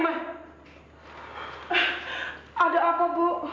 ada apa bu